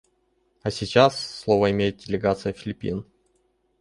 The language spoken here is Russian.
А сейчас слово имеет делегация Филиппин.